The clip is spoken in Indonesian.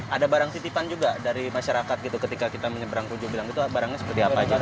ada barang titipan juga dari masyarakat ketika kita menyeberang ujogilang itu barangnya seperti apa aja